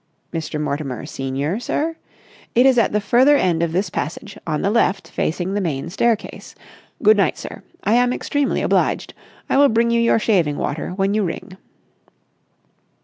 "Mr. Mortimer, senior, sir? It is at the further end of this passage, on the left facing the main staircase. Good night, sir. I am extremely obliged. I will bring you your shaving water when you ring."